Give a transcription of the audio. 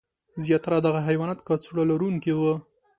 زیاتره دغه حیوانات کڅوړه لرونکي وو.